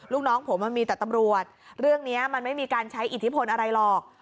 ลูกน้องผมมันมีแต่ตำรวจเรื่องนี้มันไม่มีการใช้อิทธิพลอะไรหรอก